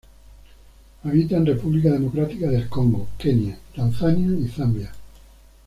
Habita en República Democrática del Congo, Kenia, Tanzania y Zambia.